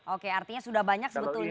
oke artinya sudah banyak sebetulnya